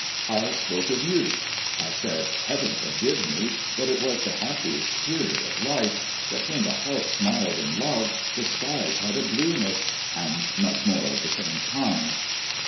I spoke of youth. I said, Heaven forgive me, that it was the happiest period of life; that when the heart smiled in love the skies had a blueness; and much more of the same kind.